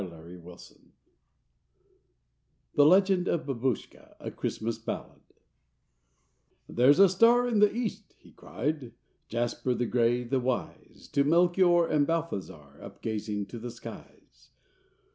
LATER POEMS THE LEGEND OF THE BABOUSHKA A CHRISTMAS BALLAD “There’s a star in the East!” he cried, Jasper, the gray, the wise, To Melchior and to Balthazar Up gazing to the skies.